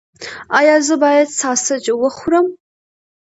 ایا زه باید ساسج وخورم؟